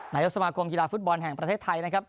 นายกสมาคมกีฬาฟุตบอลแห่งประเทศไทยนะครับ